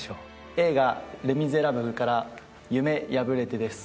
映画『レ・ミゼラブル』から「夢やぶれて」です。